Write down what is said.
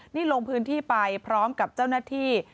นี่ลงพื้นที่ไปพร้อมกับเจ้าหน้าที่